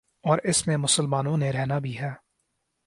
اور اس میں مسلمانوں نے رہنا بھی ہے۔